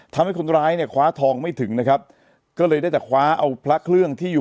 ทำให้คนร้ายเนี่ยคว้าทองไม่ถึงนะครับก็เลยได้แต่คว้าเอาพระเครื่องที่อยู่